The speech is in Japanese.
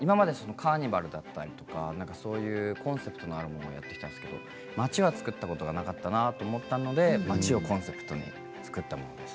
カーニバルだったりコンセプトがあるものをやってきたんですけど街は造ったことがなかったなと思ったので街をコンセプトに造ったものです。